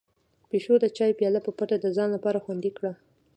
پيشو د چای پياله په پټه د ځان لپاره خوندي کړه.